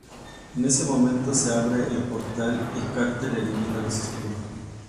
En ese momento se abre el portal y Carter elimina los escudos.